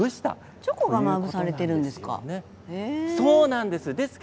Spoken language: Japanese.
チョコがまぶされているんですか？